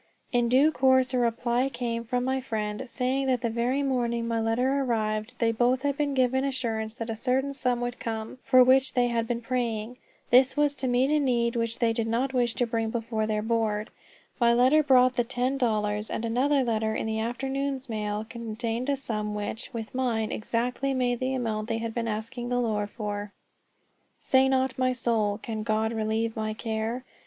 In due course a reply came from my friends, saying that the very morning my letter arrived they both had been given assurance that a certain sum would come, for which they had been praying. This was to meet a need which they did not wish to bring before their Board. My letter brought the ten dollars; and another letter in the afternoon's mail contained a sum which, with mine, exactly made the amount they had been asking the Lord for. "Say not my soul, 'Can God relieve my care?'